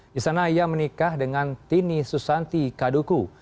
di sana ia menikah dengan tini susanti kaduku